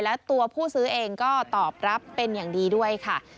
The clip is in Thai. และตัวผู้ซื้อเองก็ตอบรับเป็นอย่างดีด้วยค่ะ